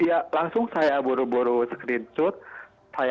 ada yang berada di dalamnya